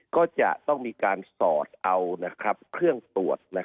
ก็จะต้องมีการสอดเอาเครื่องตรวจ